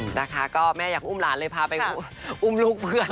นะคะก็แม่อยากอุ้มหลานเลยพาไปอุ้มลูกเพื่อน